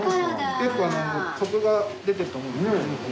結構コクが出てると思うんですけど。